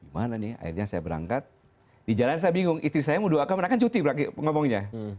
mana nih saya berangkat di jalan saya bingung itu saya mudoakan akan cuti berarti ngomongnya